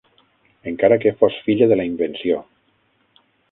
...encara que fos filla de la invenció.